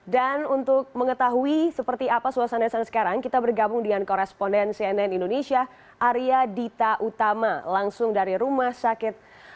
dan untuk mengetahui seperti apa suasana sekarang kita bergabung dengan koresponden cnn indonesia arya dita utama langsung dari rumah sakit